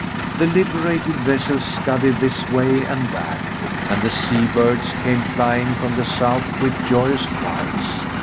The liberated vessels scudded this way and that, and the sea birds came flying from the south with joyous cries.